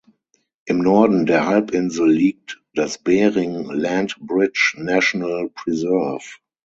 Im Norden der Halbinsel liegt das Bering Land Bridge National Preserve.